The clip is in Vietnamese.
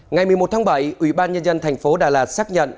ngày một mươi một tháng bảy ủy ban nhân dân thành phố đà lạt xác nhận